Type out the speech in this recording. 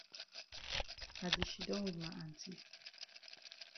I di shidon wit ma aunty.